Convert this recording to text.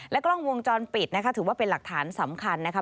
และกล้องวงจรปิดถือว่าเป็นหลักฐานสำคัญนะครับ